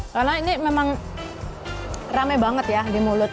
karena ini memang rame banget ya di mulut